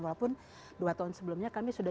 walaupun dua tahun sebelumnya kami sudah